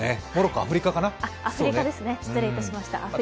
アフリカですね、失礼いたしました。